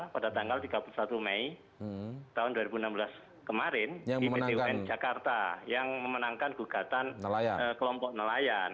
pada tanggal tiga puluh satu mei tahun dua ribu enam belas kemarin di pt un jakarta yang memenangkan gugatan kelompok nelayan